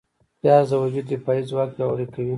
پیاز د وجود دفاعي ځواک پیاوړی کوي